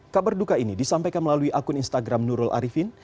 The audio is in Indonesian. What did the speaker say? kabarduka ini disampaikan melalui akun instagram nurul arifin